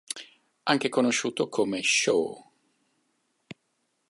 음악중심, anche conosciuto come Show!